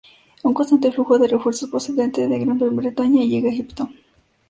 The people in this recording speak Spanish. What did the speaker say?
Un constante flujo de refuerzos procedentes de Gran Bretaña llegaba a Egipto.